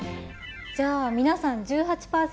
じゃあ皆さん１８％